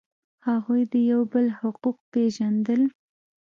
هغوی د یو بل حقوق پیژندل.